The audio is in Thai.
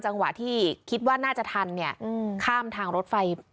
จังหวะที่คิดว่าน่าจะทันเนี่ยข้ามทางรถไฟ